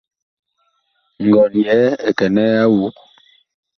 Ngɔn yɛɛ ɛ kɛnɛɛ a awug.